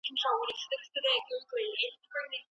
که اراده قوي وي نو خنډونه ماتیږي.